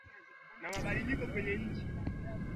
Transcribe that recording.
na mabadiliko kwenye nchi za kiarabu